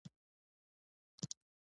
د احمد او محمود ستونزه حل وه